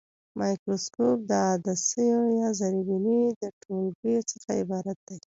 مایکروسکوپ د عدسیو یا زرې بیني د ټولګې څخه عبارت دی.